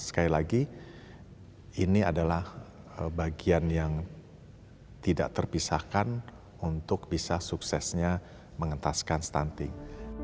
sekali lagi ini adalah bagian yang tidak terpisahkan untuk bisa suksesnya mengentaskan stunting